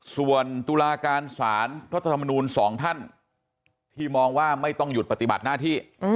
ส่วนตุลาการสารรัฐธรรมนูล๒ท่านที่มองว่าไม่ต้องหยุดปฏิบัติหน้าที่